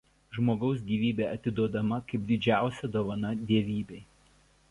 Žmogaus gyvybė atiduodama kaip didžiausia dovana dievybei.